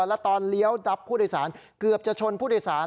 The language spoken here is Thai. แล้วตอนเลี้ยวดับผู้โดยสารเกือบจะชนผู้โดยสาร